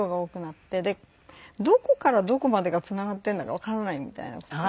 でどこからどこまでがつながってるんだかわからないみたいな事が。